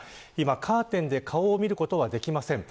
カーテンで顔を見ることはできません。